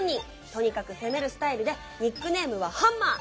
とにかく攻めるスタイルでニックネームはハンマー！